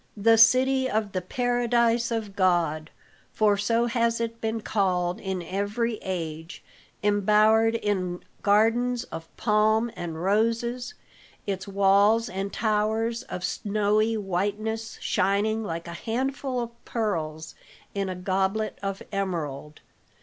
"The City of the Paradise of God," for so has it been called in every age, embowered in gardens of palm and roses, its walls and towers of snowy whiteness shining like "a handful of pearls in a goblet of emerald."